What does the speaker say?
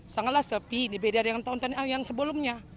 sangatlah sepi dibedah dengan tahun sebelumnya